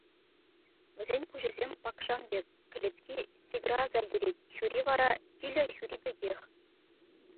Вӗсен пуҫӗсем пакшан пек, кӗлетки тигра аса илтерет, хӳри вара тилӗ хӳри пекех.